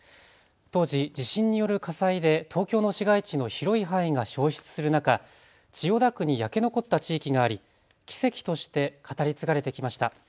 当時地震による火災で東京の市街地の広い範囲が焼失する中、千代田区に焼け残った地域があり奇跡として語り継がれてきました。